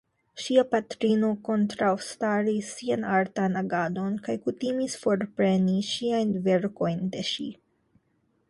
Ŝia patrino kontraŭstaris sian artan agadon kaj kutimis forpreni ŝiajn verkojn de ŝi.